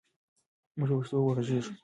موږ به په پښتو وغږېږو.